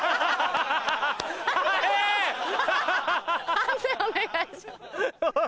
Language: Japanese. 判定お願いします。